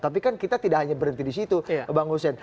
tapi kan kita tidak hanya berhenti di situ bang hussein